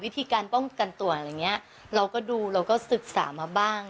วิธีการป้องกันตัวอะไรอย่างนี้เราก็ดูเราก็ศึกษามาบ้าง